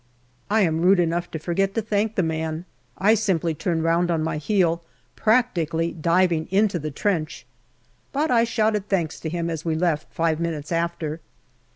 I am rude enough to forget to thank NOVEMBER 259 the man. I simply turn round on my heel, practically diving into the trench. But I shouted thanks to him as we left, five minutes after.